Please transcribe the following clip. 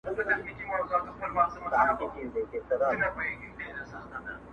کوس گټي کولې مرگی ئې هير وو.